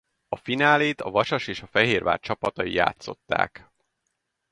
A finálét a Vasas és a Fehérvár csapatai játszották.